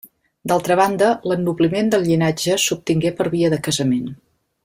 D'altra banda l'ennobliment del llinatge s'obtingué per via de casament.